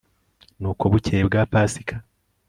nuko bukeye bwa pasika